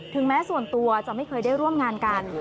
แม้ส่วนตัวจะไม่เคยได้ร่วมงานกัน